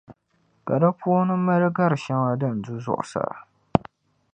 Ka di puuni mali gar’ shɛŋa din du zuɣusaa.